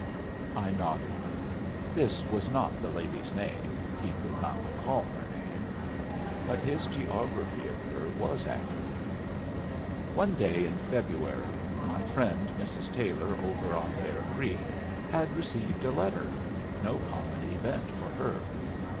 I nodded. This was not the lady's name he could not recall her name but his geography of her was accurate. One day in February my friend, Mrs. Taylor over on Bear Creek, had received a letter no common event for her.